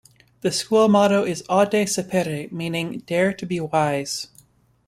The school motto is 'Aude Sapere', meaning 'dare to be wise'.